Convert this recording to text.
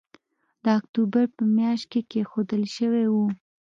د اکتوبر په مياشت کې کېښودل شوی وو